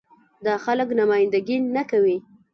دا خلک نماينده ګي نه کوي.